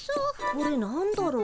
これなんだろう。